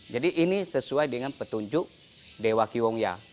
jadi ini sesuai dengan petunjuk dewa kihongya